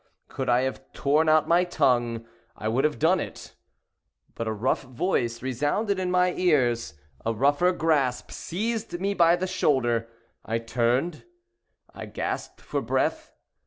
Could I have torn out my tongue, I would have done it, but a rough voice resounded in my ears—a rougher grasp seized me by the shoulder. I turned—I gasped for breath.